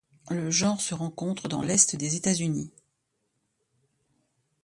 Le genre se rencontre dans l'Est des États-Unis.